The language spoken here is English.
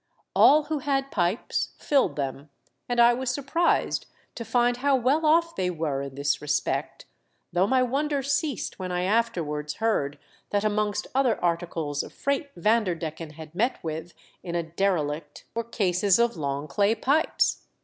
All who had pipes filled them, and I was surprised to find how well off they were in this respect, though my wonder ceased when 2 22 THE DEATH SHIP. I afterwards heard that amongst other articles of freight Vanderdecken had met with in a derelict were cases of long clay pipes.